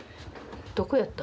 どこやった？